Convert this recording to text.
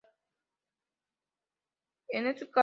En estos casos se equipara al "confinamiento".